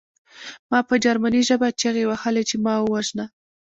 ما په جرمني ژبه چیغې وهلې چې ما ووژنه